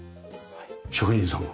職人さんが？